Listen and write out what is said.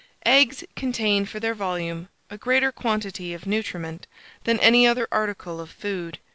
EGGS contain, for their volume, a greater quantity of nutriment than any other article of food.